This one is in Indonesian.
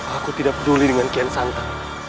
aku tidak peduli dengan sekian santang